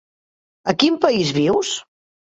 A quin país vius?